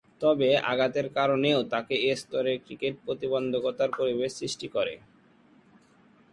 তবে, আঘাতের কারণেও তাকে এ স্তরের ক্রিকেটে প্রতিবন্ধকতার পরিবেশ সৃষ্টি করে।